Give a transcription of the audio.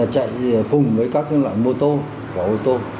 chạy cùng với các loại mô tô